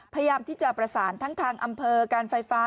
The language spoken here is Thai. พยายามที่จะประสานทั้งทางอำเภอการไฟฟ้า